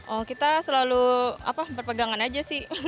oh kita selalu berpegangan aja sih